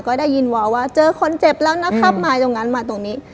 ก็ได้ยินวาวว่าเจอคนเจ็บแล้วนะครับมาตรงนั้นมาตรงนี้